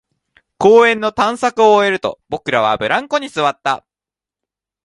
公園の探索を終えると、僕らはブランコに座った